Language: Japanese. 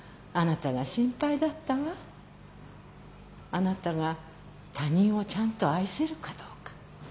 あなたが他人をちゃんと愛せるかどうか。